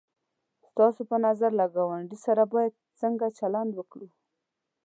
ستاسو په نظر له گاونډي سره باید څنگه چلند وکړو؟